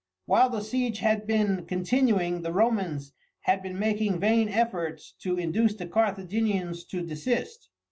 While the siege had been continuing the Romans had been making vain efforts to induce the Carthaginians to desist.